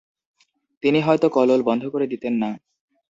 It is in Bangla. তিনি হয়তো ‘কল্লোল' বন্ধ করে দিতেন না।